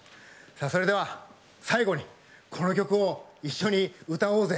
それでは、最後に、この曲を一緒に歌おうぜ！